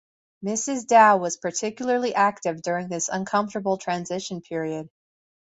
Mrs Dow was particularly active during this uncomfortable transition period.